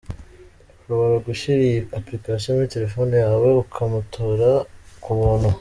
Ushobora gushyira iyi application muri telefone yawe, ukamutora ku buntu.